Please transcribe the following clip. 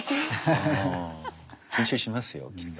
緊張しますよきっと。